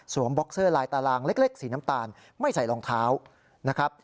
บ็อกเซอร์ลายตารางเล็กสีน้ำตาลไม่ใส่รองเท้านะครับ